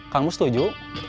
kang mus setuju